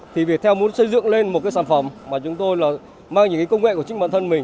thì việt nam muốn xây dựng lên một sản phẩm mà chúng tôi mang những công nghệ của chính bản thân mình